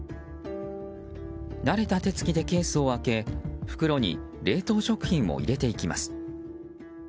慣れた手つきでケースを開け袋に冷凍食品を入れていきます。